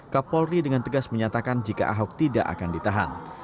kapolri dengan tegas menyatakan jika ahok tidak akan ditahan